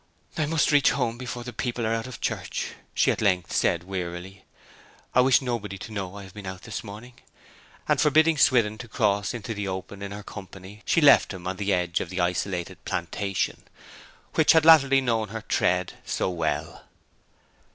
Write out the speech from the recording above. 'I must reach home before the people are out of church,' she at length said wearily. 'I wish nobody to know I have been out this morning.' And forbidding Swithin to cross into the open in her company she left him on the edge of the isolated plantation, which had latterly known her tread so well.